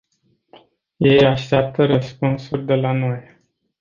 Ei așteaptă răspunsuri de la noi.